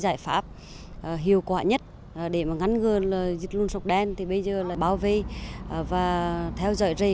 giải pháp hiệu quả nhất để mà ngăn ngừa dịch lùn sọc đen thì bây giờ là bảo vệ và theo dõi rây